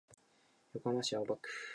横浜市青葉区